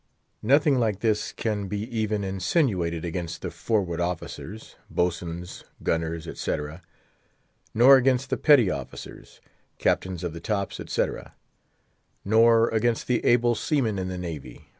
Nothing like this can be even insinuated against the "forward officers"—Boatswains, Gunners, etc.; nor against the petty officers—Captains of the Tops, etc.; nor against the able seamen in the navy.